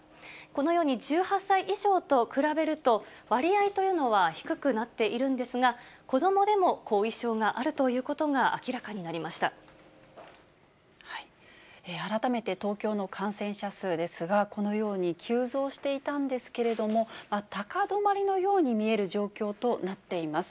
このように１８歳以上と比べると、割合というのは低くなっているんですが、子どもでも後遺症がある改めて、東京の感染者数ですが、このように急増していたんですけれども、高止まりのように見える状況となっています。